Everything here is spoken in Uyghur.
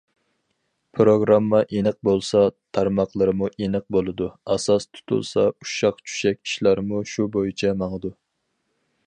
پىروگرامما ئېنىق بولسا، تارماقلىرىمۇ ئېنىق بولىدۇ، ئاساس تۇتۇلسا، ئۇششاق- چۈششەك ئىشلارمۇ شۇ بويىچە ماڭىدۇ.